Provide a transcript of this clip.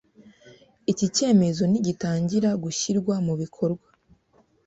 Iki cyemezo nigitangira gushyirwa mu bikorwa,